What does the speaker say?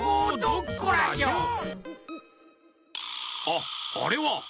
あっあれは！